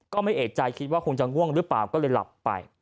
ไม่เอกใจคิดว่าคงจะง่วงหรือเปล่าก็เลยหลับไป